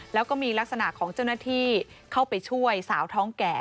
แล้วก็มีลักษณะของเจ้าหน้าที่เข้าไปช่วยสาวท้องแก่